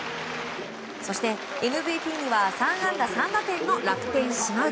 そして、ＭＶＰには３安打３打点の楽天、島内。